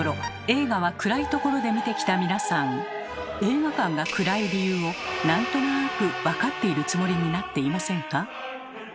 映画は暗い所で見てきた皆さん映画館が暗い理由を何となく分かっているつもりになっていませんか？